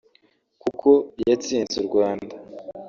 kuko yatsinze u Rwanda